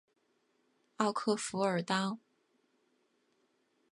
奥克弗尔当。